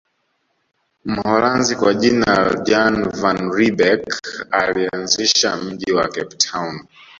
Mholanzi kwa jina Jan van Riebeeck alianzisha mji wa Cape Town